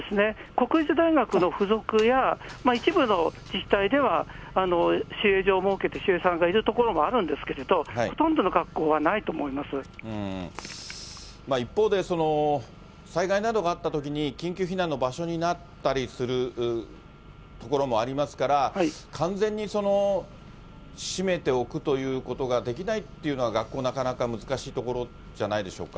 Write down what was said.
国立大学の付属や、一部の自治体では、守衛所を設けて、守衛さんがいる所もあるんですけれど、一方で、災害などがあったときに緊急避難の場所になったりする所もありますから、完全に閉めておくということができないっていうのは、学校、なかなか難しいところじゃないでしょうか。